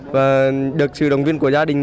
và được sự động viên của gia đình